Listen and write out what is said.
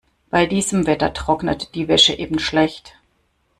Bei diesem Wetter trocknet die Wäsche eben schlecht.